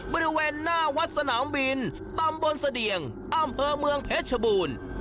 บริเวณหน้าวัดสนามบินตำบลเสดียงอำเภอเมืองเพชรชบูรณ์